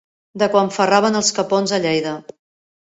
De quan ferraven els capons a Lleida.